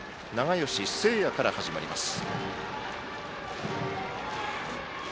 吉盛空から始まります。